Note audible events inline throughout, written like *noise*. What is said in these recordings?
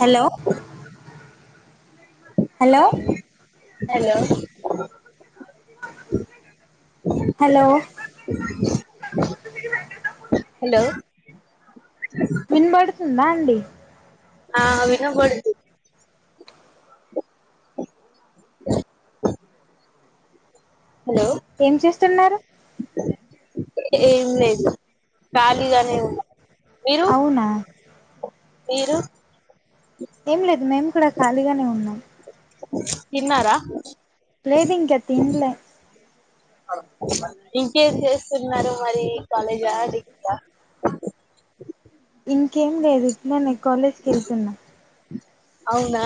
Hello hello hello hello మీ hello వినబడుతుందా అండి ఆ వినబడుద్ది హలో ఏం చే తిన్నారు ఏం లేదు ఖాళీగానే *unintelligible* మీరు? అవునా మీరు ఏం లేదు మేము కూడా ఖాళీగానే ఉన్నాం ఇన్నారా లేదీంగ్ కథన్లో ఇంకేం జేస్తున్నారు మరి? కాలేజా *unintelligible* ఇంకేం లేదు ఇంట్లోనే కాలేజ్ కెళ్తున్న. అవునా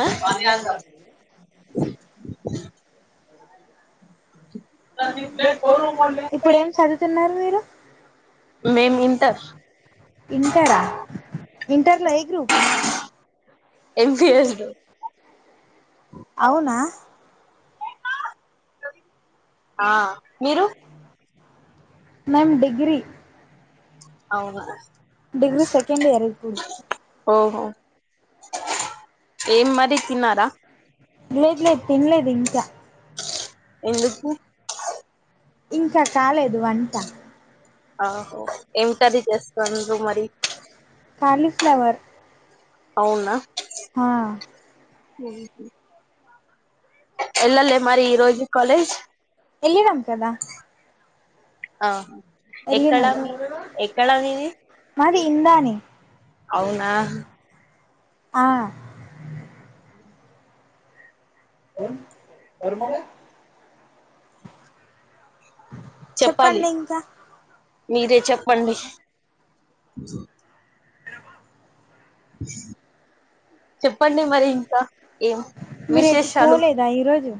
ఇప్పుడు ఏం చదువుతున్నారు మీరు మేము ఇంతర్ ఇంటరా ఇంటర్లో ఏ గ్రూపు ఎంపీఎస్ డడి అవునా? ఆ మీరు? మేమ్ డిగ్రీ అవును అ డిగ్రీ సెకండ్ ఇయర్ ఇప్పుడు ఓహో ఏం మరి తన్నారా లేదు లేదు తినలేదు ఇంకా ఎందుకు ఇంక కాలేదు వంట ఆహో ఏమి సది చేస్తా నువ్వు మరి కాలిఫ్లవర్ అవునా హ ఎళ్ళలే మరి ఈరోజు కాలేజ్? ఎలి రాం కదా ఆ ఎక్కడ వెళ్ళినం ఎక్కడ మీది మాది ఇందాని అవునా ఆ దెన్ చెప్పాలి చెప్పండి ఇంకా మీరే చెప్పండి హబ *unintelligible* మరి ఇంకా ఏం మీరు ఎటు విశేషాలు పోలేదా ఈరోజు?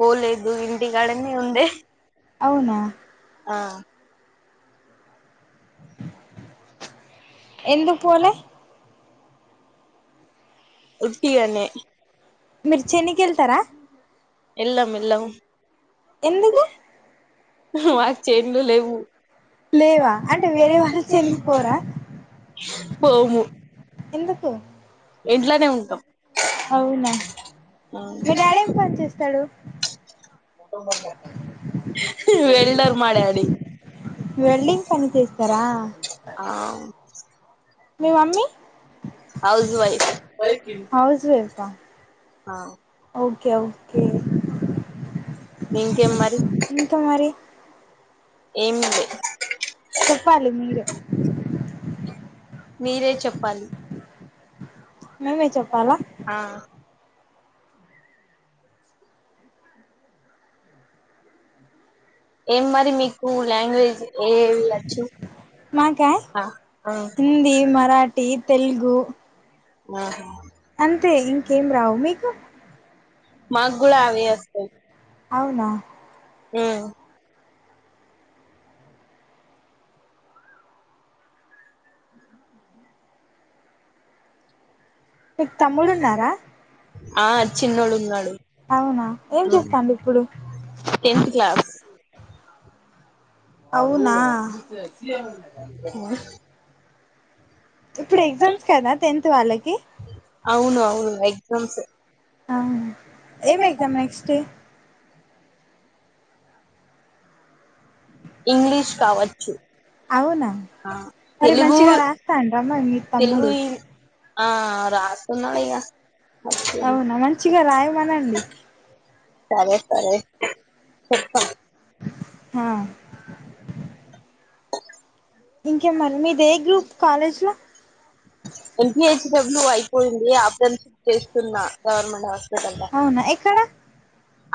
పోలేదు ఇంటికాడన్న ఉంది అవునా ఆ ఎందు పోలే ఉట్టిగన్నే మీరు చేనికి వెళ్తారా ఎలాం ఎల ఎందుకు మాకు చెంలు లేవు లేవా అంటే వేరే వాళ్ళు చేనికి పోరా పోము ఎందుకు ఇంట్లోనే ఉంటాం. అవునా మీ డాడీ ఏం పని చేస్తాడు వెల్డర్ మా డాడీ వెల్డింగ్ పని చేస్తారా ఆ మీ మమ్మీ హౌస్ వైఫ్ హౌస్వైఫ్ ఆ కే ఒక్కే ఇంకేం మరి ఇకా మరి ఏం లే *inaudible* చెప్పాలి మీరు మీరే చెప్పాలి మేమే చెప్పాలా ఆ ఏం మరి మీ మాకా ఆ ఆ హిందీ మరాఠీ తెలుగు ఆహా అంతే ఇంకేం రావు మీకు మాగ గుళ హవి అ అవునా ఆ మీకు తమ్ముడు ఉన్నారా ఆ చిన్నోడు ఉన్నాడు అవునా ఏం ఉమ్ చేస్తాండు ఇప్పుడు టెన్త్ క్లాస్ అవునా ఇప్పుడు ఎగ్జామ్స్ కదా టెన్త్ వాళ్ళకి ఎక్జామ్స్ ఆ ఏం ఎగదాం నెక్స్ట్ డే ఇంగ్లీష్ కావచ్చు అవునా ఆ మరి తెలుగు మంచిగా రాస్తండ మరి మీ తెలుగు తమ్ముడు ఇ- ఆ రాసన్నాళయగా అవునా మంచిగా రాయమన అండి సరే సరే చె హా ఇంకేమరి మీద ఏ గ్రూప్ కాలేజ్ లో L P H P W అయిపోయింది న్ప్ చేస్తున్నా గవర్నమెంట్ హాస్పిటల్ల్లో అవునా ఎక్కడ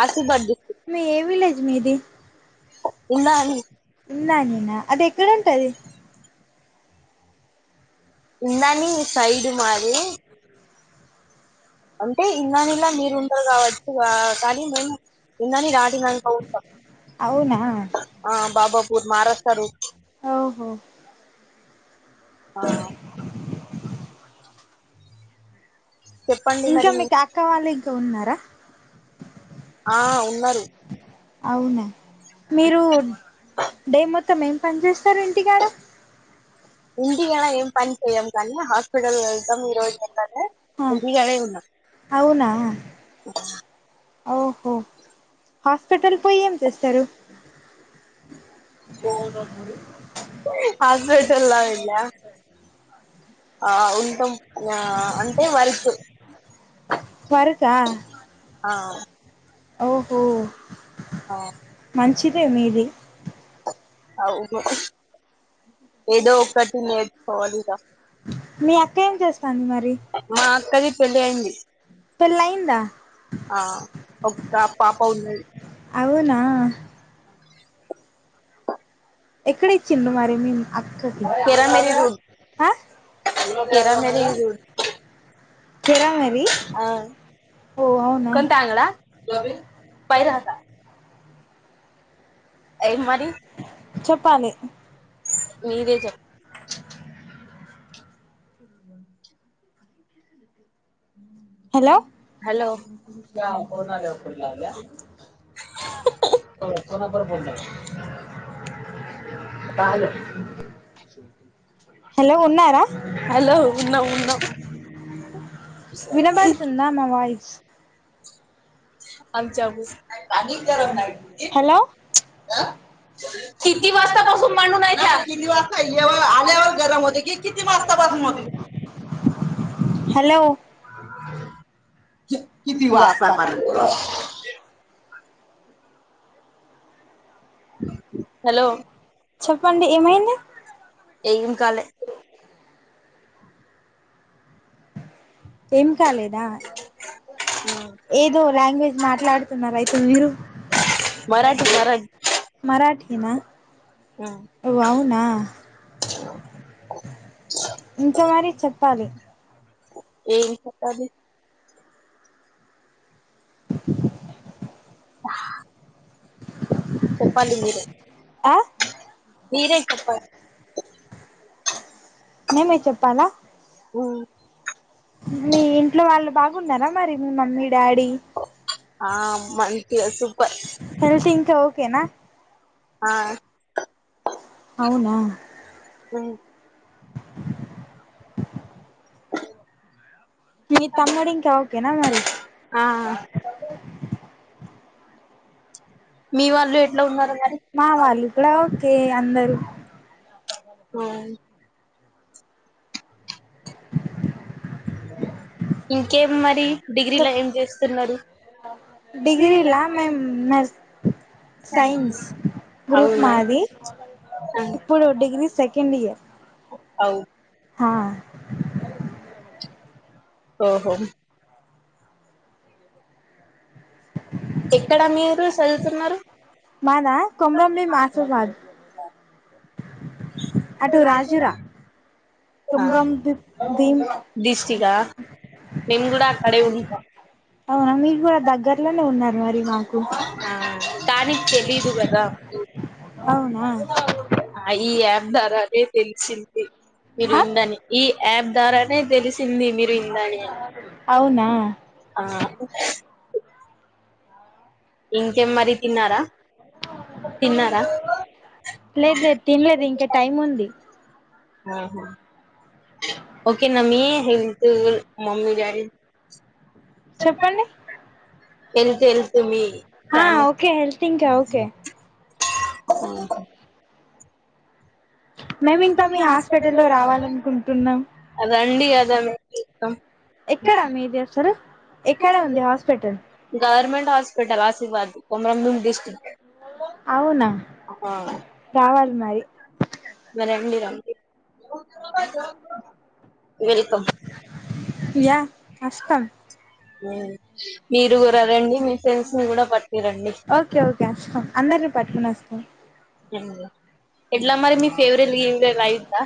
అస పర్జ మీ ఏ విలేజ్ మీది ఉన్నా ఉందా నిన్న అది ఎక్కడ ఉంటది ఇందాని సైడ్ మాది అంటే ఇందని ఇలా మీరు ఉంటారు కావచ్చు కానీ మేము ఇందని రా అవునా బాబా మహారాష్ట్ర ర ఓహో ఆ చెప్పండి ఇంకా మరి మీకు ఎక్కవాలి త ఉన్నర ఆ ఉన్నారు అవునా మీరు డే మోత మొత్తం ఏం పని చేస్తారు ఇంటికాడ ఇంటికలా ఏం పని చేయము కానీ హాస్పిటల్ వెళ్తాం ఈ రోజు ఎంటి కడన్నా ఆన్ ఓహో హాస్పిటల్ పోయి ఏం చేస్తారు హాస్పిటల్లా ఇలా ఆ ఉంటాం ఆ అంటే వర్క్ పద ఆ ఓహో ఓ మంచిద మీది ఆ ఉదో ఏదో ఒకటి న పోదికా మీ అక్క ఏం చేస్తాను మరి అది పెళ్ళి అయింది ఫలయిందా ఓ పాప ఉన్నాది అవునా ఎక్కడ ఇచ్చిడు మరి మీ ఆ కేరా మరి ఓ అవునా పై రాక ఎ మరి చెప్పాలి మీరే చెప్ప హలో హలో ప్పున్నర పోంద పాల హలో ఉన్నారా వినబడుతుందా మా వాయిస్ అ చబ హలో హలో కితి వాస్త కానీ *unintelligible* *inaudible* బ *inaudible* *unintelligible* హలో చెప్పండి ఏమైంది ఏం కాలే ఏం కాలేదా ఏదో లాంగ్వేజ్ మాట్లాడుతున్నారు అయితే మీరు మరాఠీ మరాఠీ మరాఠీ ఇనా ఓ అవునా ఇంత మరి చెప్పాలి ఏం చెప్పది చెప్పాది మీరు ఆ వీర కుప్ప న మీ చెప్పాలా ఆ మీ ఇంట్లో వాళ్ళు బాగున్నారా మరి మీ మమ్మీ డాడీ మంచింత సప హెల్త్ ఇంకా ఓకేనా ఆ అవునా వ మీ తమ్ముడింకా ఓకేనా మరి ఆ మీ వాళ్ళు ఎట్లా ఉన్నారు మరి మా వాళ్ళు కూడా ఓకే అందరు హ ఇంకేం మరి స డిగ్రీలో ఏం చేస్తున్నారు డిగ్రీలా మే న సైన్స్ గ్రూప్ అవునా మాది ఇప్పుడు డిగ్రీ సె కింది ఏ అవు ఆా ఓహో ఎక్కడ మీరు చదువుతున్నారు మానా కమరం మీ మాస భగ కుమ్రం భీం దిష్టిగా మేము కూడా అక్కడే ఉంటాం అవు అ కూడా దగ్గర్లోనే ఉన్నారు మరి మాకు ఆ కానీ తెలీదు కదా అవునా ఈ అన్నారానే తెలిసింది మీరు ఆ ఇందని ఈ యాప్ ద్వారానే తెలిసింది మీరు ఇందని అని అవునా ఆ ఇంకేం మరి తిన్నారా తిన్నారా లేదు లేదు తినలేదు ఇంకా టైం ఉంది ఆ ఓకే నమ్మీ హతు మమ్మీ ారి చెప్పండి ఎల్ తెల్ త ఆ ఓకే హెల్త్ ఇంకా ఓకే మేము ఇంకా మీ హాస్పిటల్ లో రావాలనుకుంటున్నాం ండి అదా మ ఎక్కడా మీది అసలు ఎక్కడ ఉంది హాస్పిటల్ గవర్మెంట్ హ ఆశీర్వాద్ కొమరంందూంగ్ డిస్క్ట్ అవునా రావాలి మరి రండి రండి *inaudible* *unintelligible* వెల్కమ్ యా కస్క మీరు కూడా ర రండి మీ ఫ్రెండ్స్ ని కూడా పట్ ఓకే ఓకే అష్టం అందరిని పట్టుకునేస్తాం జ అయిద్దా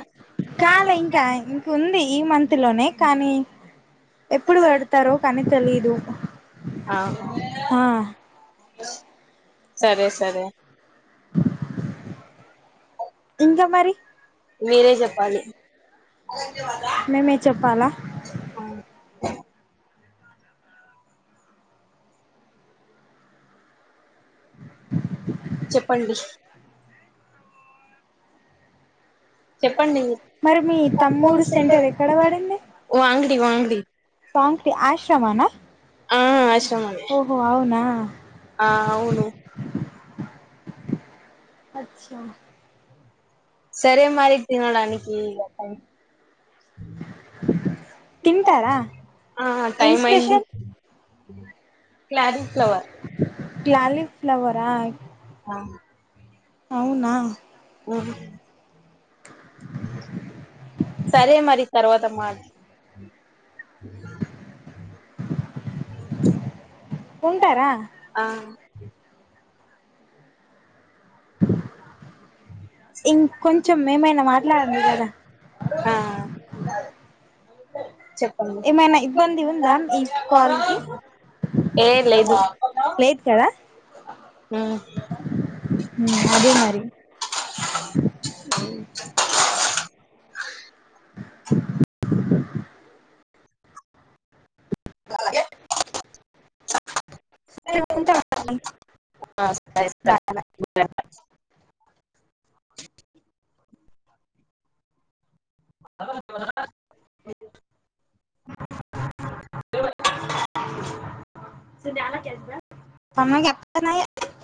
కాల ఇంకా ఇంక ఉంది ఈ మంత్ లోనే కానీ ఎప్పుడు పెడతారో కనీ తెలిదు ఆ సరే సరే ఇకా మరి మీరే చెప్పాలి మేమే చెప్పాలా చెప్పండి చెప్పండి మరి మీ తమ్ముడు సెంటర్ ఎక్కడ పడింది వాంగ్డి వాంగ్డి పాంక్టి ఆశ్రమానా ఆ ఆశ్రమ ఓహో అవునా ఆ అవును అచ్చా సరే మరికి తినడానికి ఇై తింటారా ఆ ఏం టైం అయింది స్పెషల్ ఇ *inaudible* *unintelligible* కాలిఫ్లవర్ లాలీఫ్లవరా అవునా మ్ సరే మరి తర్వాత మా *unintelligible* ఉంటారా ఆ ఇంకొంచెం ఏమైనా మాట్లాడండి కదా ఆ చెప్పండి ఏమైనా ఇబ్బంది ఉందా ఈ కాల్ కి ఏ లేదు లేదు కదా అదే మరి *unintelligible* అలాగే సరే సరే *inaudible* హలో *unintelligible*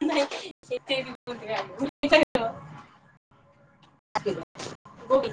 *unintelligible* ఇంకోటి